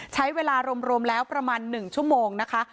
ใช้เวลารวมแล้วประมาณ๑ชั่วโมงนะคะ